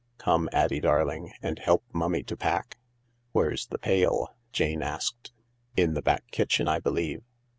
Come, Addie darling, and help Mummy to pack." " Where's the pail ?" Jane asked. " In the back kitchen, I believe.